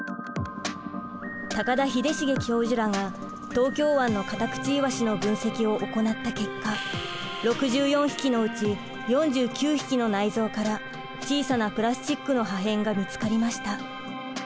高田秀重教授らが東京湾のカタクチイワシの分析を行った結果６４匹のうち４９匹の内臓から小さなプラスチックの破片が見つかりました。